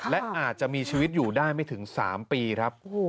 และอาจจะมีชีวิตอยู่ได้ไม่ถึง๓ปีครับ